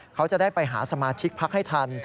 เขาจะได้ไปหาสมาชิกพักให้ทัน